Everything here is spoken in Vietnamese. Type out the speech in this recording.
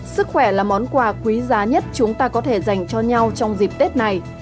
sức khỏe là món quà quý giá nhất chúng ta có thể dành cho nhau trong dịp tết này